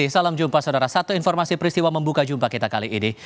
salam jumpa saudara satu informasi peristiwa membuka jumpa kita kali ini